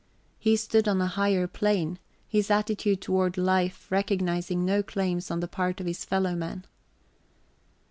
He stood on a higher plane, his attitude toward life recognizing no claims on the part of his fellowmen.